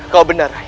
kau benar ray